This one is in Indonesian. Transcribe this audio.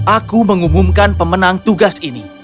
aku mengumumkan pemenang tugas ini